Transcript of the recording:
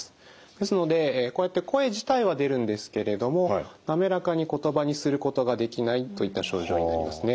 ですのでこうやって声自体は出るんですけれどもなめらかにことばにすることができないといった症状になりますね。